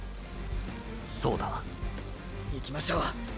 そうだ。いきましょう！